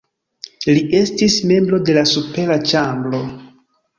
Li estis membro de la supera ĉambro.